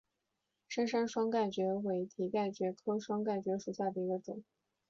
深山双盖蕨为蹄盖蕨科双盖蕨属下的一个种。